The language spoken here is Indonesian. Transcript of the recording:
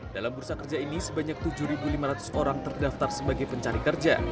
dalam bursa kerja ini sebanyak tujuh lima ratus orang terdaftar sebagai pencari kerja